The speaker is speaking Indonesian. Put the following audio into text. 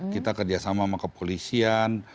kita kerjasama sama kepolisian